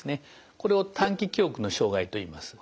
これを短期記憶の障害といいます。